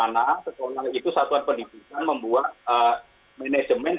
karena sekolah itu satuan pendidikan membuat manajemen